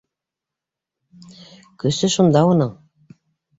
Көсө шунда уның!